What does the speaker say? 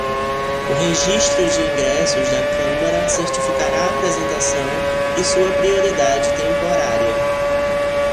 O Registro de ingressos da câmara certificará a apresentação e sua prioridade temporária.